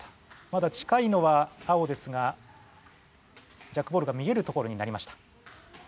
まだ近いのは青ですがジャックボールが見えるところになりました。